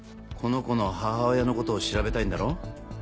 この子の母親のことを調べたいんだろ？